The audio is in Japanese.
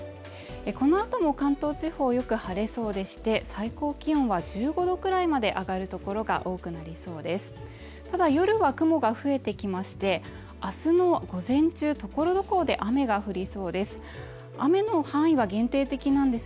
このあとも関東地方よく晴れそうでして最高気温は１５度くらいまで上がる所が多くなりそうです